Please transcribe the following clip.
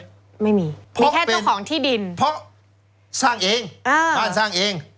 ไม่มีมีแค่เจ้าของที่ดินเพราะสร้างเองอ่าบ้านสร้างเอง